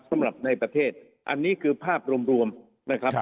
สำหรับในประเทศอันนี้คือภาพรวมนะครับ